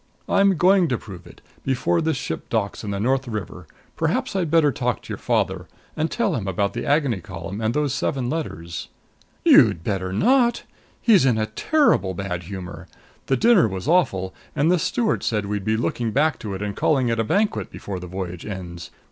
I'm going to prove it before this ship docks in the North River. Perhaps I'd better talk to your father, and tell him about the Agony Column and those seven letters " "You'd better not! He's in a terribly bad humor. The dinner was awful, and the steward said we'd be looking back to it and calling it a banquet before the voyage ends.